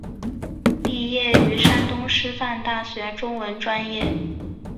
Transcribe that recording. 毕业于山东师范大学中文专业。